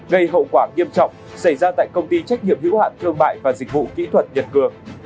gây hậu quả nghiêm trọng xảy ra tại công ty trách nhiệm hữu hạn thương mại và dịch vụ kỹ thuật nhật cường